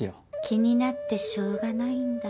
気になってしょうがないんだ。